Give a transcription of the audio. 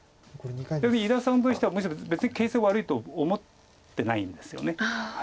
伊田さんとしてはむしろ別に形勢悪いと思ってないんですよね。